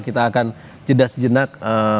kita akan jeda sejenak